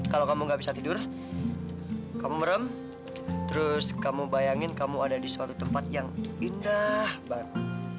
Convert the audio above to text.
kalau kamu gak bisa tidur kamu merem terus kamu bayangin kamu ada di suatu tempat yang indah banget